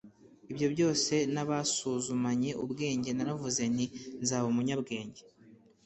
Ibyo byose nabisuzumanye ubwenge Naravuze nti nzaba umunyabwenge